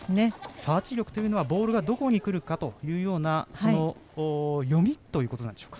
サーチ力というのはボールがどこにくるかというような読みというところなんでしょうか。